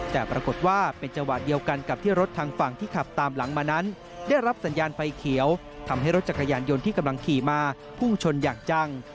แต่ปรากฏว่าเป็นจังหวะเดียวกันกับที่รถทางฝั่งที่ขับตามหลังมานั้นได้รับสัญญาณไฟเขียวทำให้รถจักรยานยนต์ที่กำลังขี่มาพุ่งชนอย่างจัง